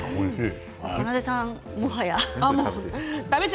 かなでさんもう。